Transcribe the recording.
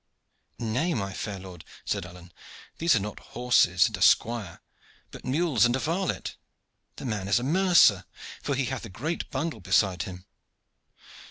"Nay, my fair lord," said Alleyne, "these are not horses and a squire, but mules and a varlet. The man is a mercer, for he hath a great bundle beside him."